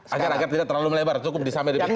agar agar tidak terlalu melebar cukup disamber di pcc